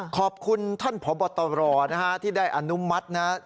ขอบคุณท่านผบตรที่ได้อนุมัตินะฮะ